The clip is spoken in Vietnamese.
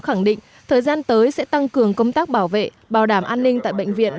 khẳng định thời gian tới sẽ tăng cường công tác bảo vệ bảo đảm an ninh tại bệnh viện